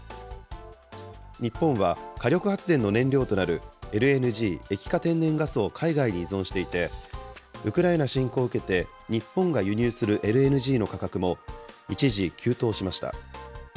日本は火力発電の燃料となる、ＬＮＧ・液化天然ガスを海外に依存していて、ウクライナ侵攻を受けて、日本が輸入するＬＮＧの価格も一時急騰しました。